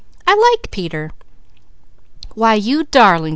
I like Peter!" "Why you darling!"